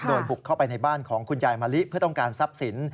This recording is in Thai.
โดยบุกเข้าไปในบ้านของคุณยายมะลิเพื่อต้องการทรัพย์สิน